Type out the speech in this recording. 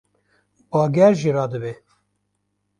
Bager jî radibe